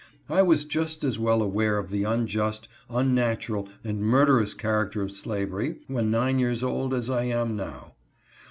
I was just as well aware of the unjust, unnatural, and murderous character of slavery, when nine years old, as I am now.